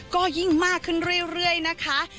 ก็ยิ่งมากขึ้นเรื่อยนะคะ